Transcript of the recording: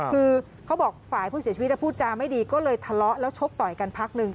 คือเขาบอกฝ่ายผู้เสียชีวิตพูดจาไม่ดีก็เลยทะเลาะแล้วชกต่อยกันพักหนึ่ง